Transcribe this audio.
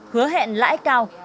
hứa hẹn lãi cao